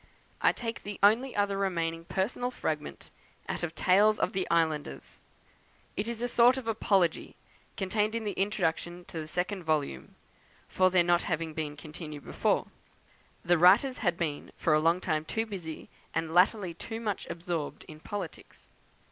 I take the only other remaining personal fragment out of "Tales of the Islanders;" it is a sort of apology, contained in the introduction to the second volume, for their not having been continued before; the writers had been for a long time too busy, and latterly too much absorbed in politics.